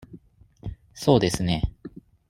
そうですね。